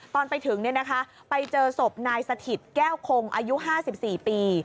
ตอนไปถึงเนี่ยนะคะไปเจอสบนายสถิตแก้วโคงอายุ๕๔ปี